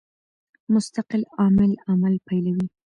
مستقل عامل عمل پیلوي.